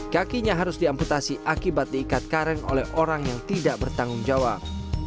kakinya harus diamputasi akibat diikat karen oleh orang yang tidak bertanggung jawab